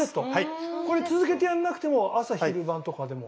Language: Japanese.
これ続けてやらなくても朝昼晩とかでも？